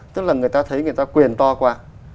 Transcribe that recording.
tức là người ta thấy người ta quyền to qua